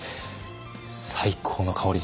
最高の香り。